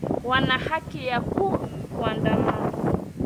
wanaa haki ya ku kuandamana